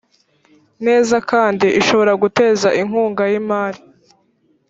neza kandi ishobora gutera inkunga y imari